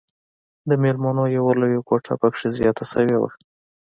د ميلمنو يوه لويه کوټه پکښې زياته سوې وه.